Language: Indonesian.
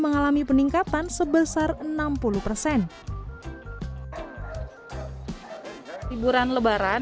ketema tamu tamu yang asli bandung yang mau pergi keluar kota jadi petnya itu titipkan